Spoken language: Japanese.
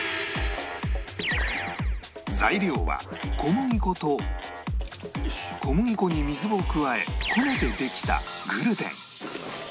材料は小麦粉と小麦粉に水を加えこねてできたグルテン